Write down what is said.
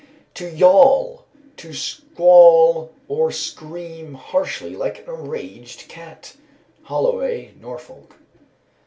"To yawl. To squall or scream harshly like an enraged cat." HOLLOWAY (Norfolk).